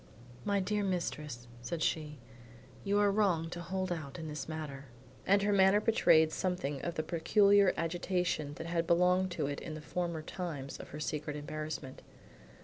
"My dear mistress," said she, "you are wrong to hold out in this matter." And her manner betrayed something of the peculiar agitation that had belonged to it in the former times of her secret embarassment.